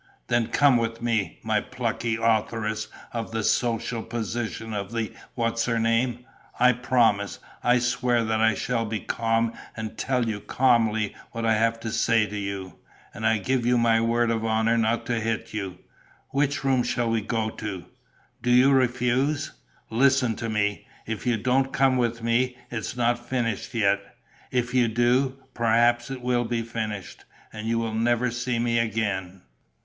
"Then come with me, my plucky authoress of The Social Position of the What's her name! I promise, I swear that I shall be calm and tell you calmly what I have to say to you; and I give you my word of honour not to hit you.... Which room shall we go to?... Do you refuse? Listen to me: if you don't come with me, it's not finished yet. If you do, perhaps it will be finished ... and you will never see me again."